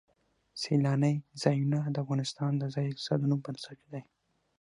سیلانی ځایونه د افغانستان د ځایي اقتصادونو بنسټ دی.